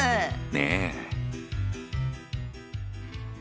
ねえ。